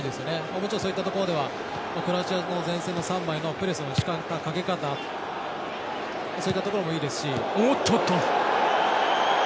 もちろん、そういったところではクロアチアの３枚のプレスのかけ方そういったところもいいですし。